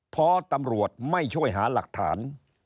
เพราะตำรวจไม่ช่วยหาหลักฐาน